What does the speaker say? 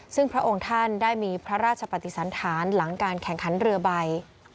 ซึ่งพระองค์ท่านได้มีพระราชปฏิสันฐานหลังการแข่งขันเรือใบ